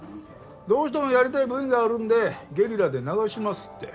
どうしてもやりたいＶがあるんでゲリラで流しますって。